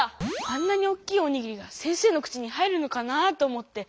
「あんなにおっきいおにぎりが先生の口に入るのかな」と思って。